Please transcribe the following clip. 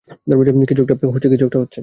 কিছু একটা হচ্ছে!